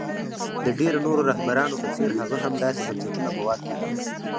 د ډېرو نورو رهبرانو په څېر هغه هم داسې بنسټونه په واک کې لرل.